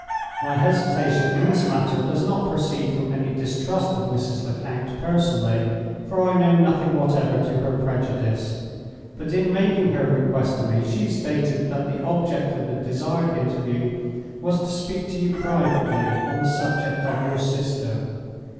"My hesitation in this matter does not proceed from any distrust of Mrs. Lecount personally, for I know nothing whatever to her prejudice. But in making her request to me, she stated that the object of the desired interview was to speak to you privately on the subject of your sister.